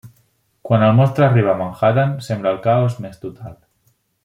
Quan el monstre arriba a Manhattan, sembra el caos més total.